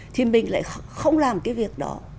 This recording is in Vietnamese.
thì mình lại không làm cái việc đó